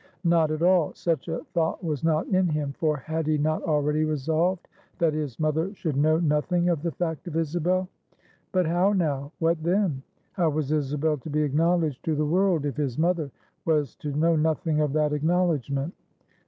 Not at all. Such a thought was not in him. For had he not already resolved, that his mother should know nothing of the fact of Isabel? But how now? What then? How was Isabel to be acknowledged to the world, if his mother was to know nothing of that acknowledgment?